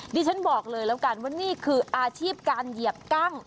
ดิฉันบอกเลยแล้วกันว่านี่คืออาชีพการเหยียบกั้ง